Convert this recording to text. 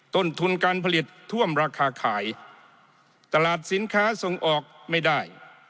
ต้นทุนการผลิตท่วมราคาขายตลาดสินค้าส่งออกไม่ได้